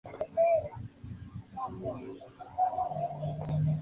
Así, sin ese antagonismo, ""la sociedad no puede existir"".